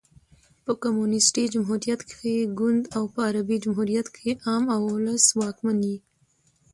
په کمونيسټي جمهوریت کښي ګوند او په عربي جمهوریت کښي عام اولس واکمن يي.